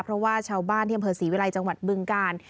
เพราะว่าชาวบ้านที่อำเภอศรีวิลัยจังหวัดบึงกาล